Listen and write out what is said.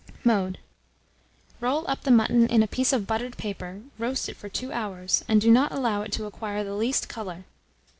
Mode. Roll up the mutton in a piece of buttered paper, roast it for 2 hours, and do not allow it to acquire the least colour.